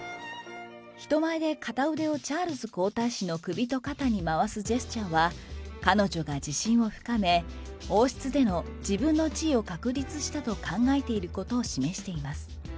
人前で片腕をチャールズ皇太子の首と肩に回すジェスチャーは、彼女が自信を深め、王室での自分の地位を確立したと考えていることを示しています。